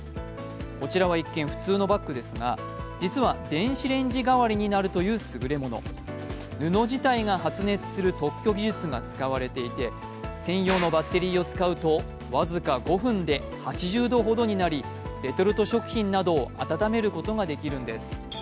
こちらは一見、普通のバッグですが実は電子レンジ代わりになるというすぐれもの布自体が発熱する特許技術が使われていて専用のバッテリーを使うと僅か５分で８０度ほどになりレトルト食品などを温めることができるんです。